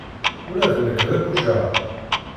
Ula d nekk d abujad.